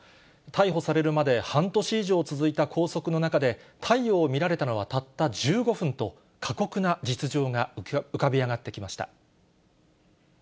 逮捕されるまで半年以上続いた拘束の中で、太陽を見られたのはたった１５分と、過酷な実情が浮かび上がってきました。